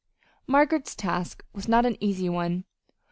Margaret's task was not an easy one.